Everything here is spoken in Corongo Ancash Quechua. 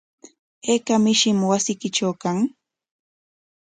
¿Ayka mishim wasiykitraw kan?